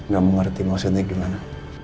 gak mengerti maksudnya gimana